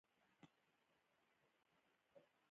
سوالګر تل د نورو خیر غواړي